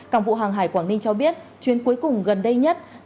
cảng vụ hàng hải quảng ninh cho biết chuyến cuối cùng gần đây nhất